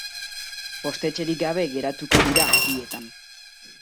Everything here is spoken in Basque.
Postetxerik gabe geratuko dira bietan.